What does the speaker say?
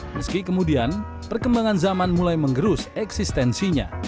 meski kemudian perkembangan zaman mulai mengerus eksistensinya